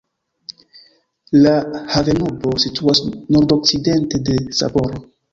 La havenurbo situas nordokcidente de Sapporo.